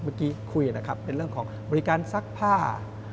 เมื่อกี้คุยนะครับเป็นเรื่องของบริการซักผ้า